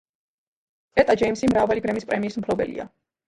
ეტა ჯეიმის მრავალი გრემის პრემიის მფლობელია.